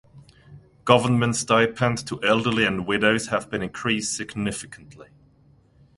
Government stipend to elderly and widows have been increased significantly.